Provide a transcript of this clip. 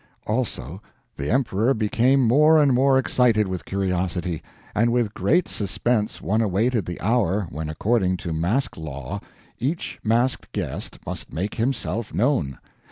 "Also the Emperor became more and more excited with curiosity, and with great suspense one awaited the hour, when according to mask law, each masked guest must make himself known.